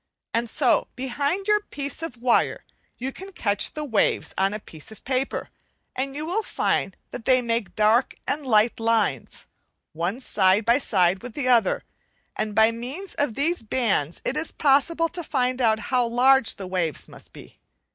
And so behind your piece of wire you can catch the waves on a piece of paper, and you will find they make dark and light lines one side by side with the other, and by means of these bands it is possible to find out how large the waves must be.